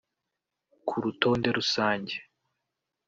Ku rutonde rusange